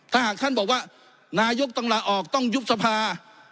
ถ้าหากท่านบอกว่านายกต้องลาออกต้องยุบสภา